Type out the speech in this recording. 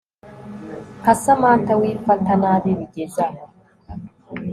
nka Samantha wifata nabi bigezaho